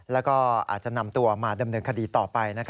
แล้วก็อาจจะนำตัวมาดำเนินคดีต่อไป